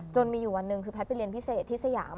มีอยู่วันหนึ่งคือแพทย์ไปเรียนพิเศษที่สยาม